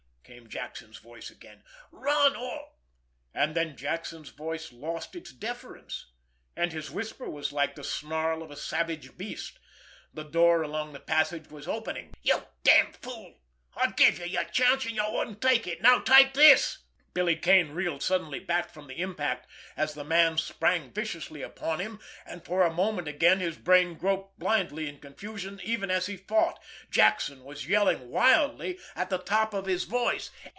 came Jackson's voice again. "Run, or—" And then Jackson's voice lost its deference, and his whisper was like the snarl of a savage beast—the door along the passage was opening. "You damn fool! I gave you your chance, and you wouldn't take it—now take this!" Billy Kane reeled suddenly back from the impact, as the man sprang viciously upon him—and for a moment again his brain groped blindly in confusion, even as he fought. Jackson was yelling wildly at the top of his voice.